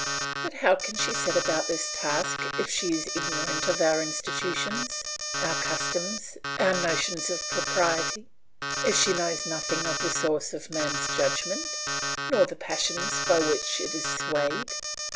But how can she set about this task if she is ignorant of our institutions, our customs, our notions of propriety, if she knows nothing of the source of man's judgment, nor the passions by which it is swayed!